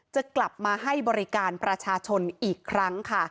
จะกลับมาให้บริการประชาชนอีกครั้งค่ะ